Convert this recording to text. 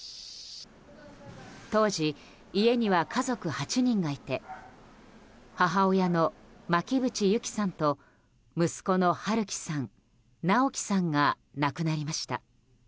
当時、家には家族８人がいて母親の巻渕友希さんと息子の春樹さん尚煌さんが亡くなりました。